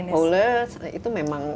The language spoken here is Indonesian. karena bipolar itu memang